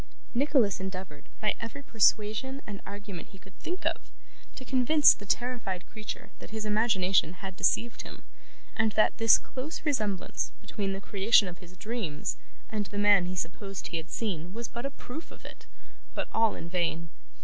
Nicholas endeavoured, by every persuasion and argument he could think of, to convince the terrified creature that his imagination had deceived him, and that this close resemblance between the creation of his dreams and the man he supposed he had seen was but a proof of it; but all in vain.